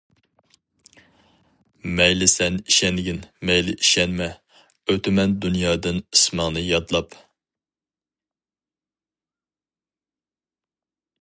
مەيلى سەن ئىشەنگىن، مەيلى ئىشەنمە، ئۆتىمەن دۇنيادىن ئىسمىڭنى يادلاپ.